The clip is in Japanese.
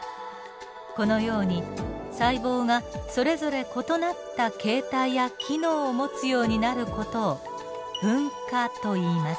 このように細胞がそれぞれ異なった形態や機能を持つようになる事を分化といいます。